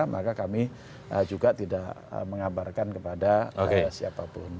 maka kami juga tidak mengabarkan kepada siapapun